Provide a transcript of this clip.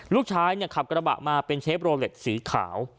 ขับกระบะมาเป็นเชฟโรเล็ตสีขาว